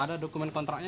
ada dokumen kontraknya